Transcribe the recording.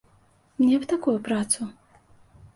Мне б такую працу.